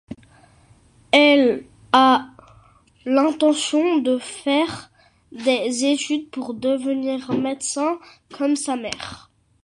Elle a l’intention de faire des études pour devenir médecin, comme sa mère.